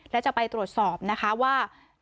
และจะไปตรวจสอบนะคะว่า